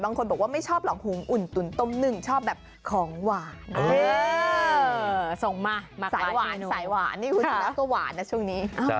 มีคนบอกว่าไม่ชอบหล่องหุงอุ่นตุ๋นต้มหนึ่งชอบอย่างของหวาน